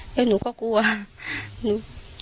แล้วหนูก็กลัวหนูแต่แล้วก็ไม่เอาอะไรไปเข้าอาบน้ำ